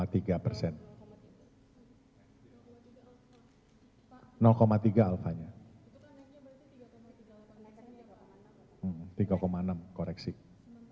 apa yang terus seperti apa pak untuk membantu warga yang masih di kota